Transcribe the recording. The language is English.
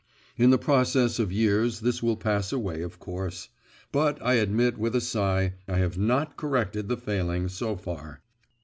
In the process of years this will pass away of course; but I admit with a sigh I have not corrected the failing so far.